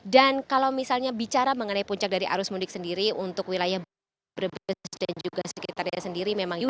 dan kalau misalnya bicara mengenai puncak dari arus mudik sendiri untuk wilayah brebes dan juga sekitarnya sendiri memang yuk